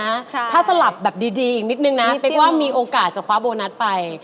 ถ้าสลับแบบดีดีอีกนิดนึงนะเป๊กว่ามีโอกาสจะคว้าโบนัสไป